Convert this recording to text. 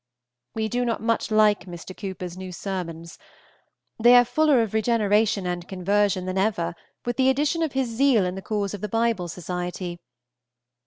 We do not much like Mr. Cooper's new sermons. They are fuller of regeneration and conversion than ever, with the addition of his zeal in the cause of the Bible Society.